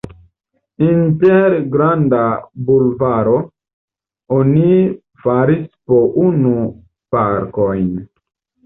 Inter Granda bulvardo oni faris po unu parkojn.